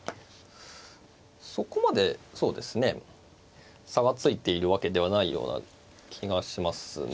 そこまでそうですね差がついているわけではないような気がしますね。